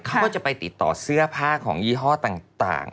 เขาก็จะไปติดต่อเสื้อผ้าของยี่ห้อต่าง